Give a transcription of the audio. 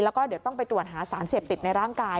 แล้วก็เดี๋ยวต้องไปตรวจหาสารเสพติดในร่างกาย